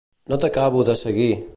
No t'acabo de seguir.